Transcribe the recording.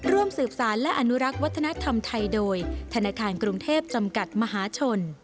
ร่วมสืบสารและอนุรักษ์วัฒนธรรมไทยโดยธนาคารกรุงเทพจำกัดมหาชน